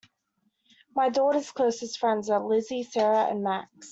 My daughter's closest friends are Lizzie, Sarah and Max.